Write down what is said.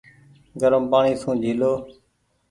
گرم پآڻيٚ سون جيهلو ۔